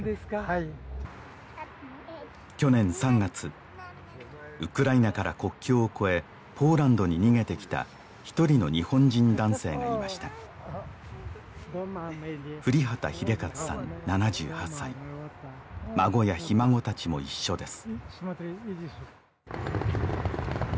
はい去年３月ウクライナから国境を越えポーランドに逃げてきた一人の日本人男性がいました孫やひ孫達も一緒です